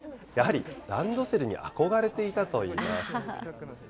こちらの女の子、やはりランドセルに憧れていたといいます。